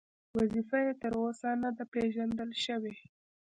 وظیفه یې تر اوسه نه ده پېژندل شوې.